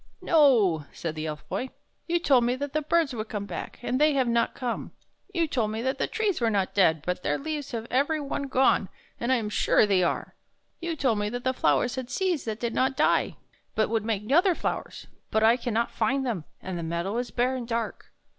" No," said the Elf Boy. "You told me that the birds would come back, and they have not come. 27 THE BOY WHO DISCOVERED THE SPRING You told me that the trees were not dead, but their leaves have every one gone, and I am sure they are. You told me that the flowers had seeds that did not die, but would make other flowers; but I can not find them, and the meadow is bare and dark.